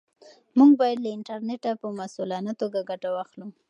موږ باید له انټرنیټه په مسؤلانه توګه ګټه واخلو.